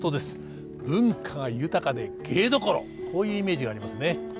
文化が豊かで芸どころこういうイメージがありますね。